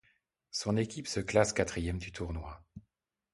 Son équipe se classe quatrième du tournoi.